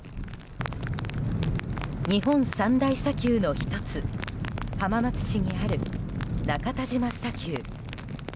日本三大砂丘の１つ浜松市にある中田島砂丘。